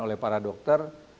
oleh para dokter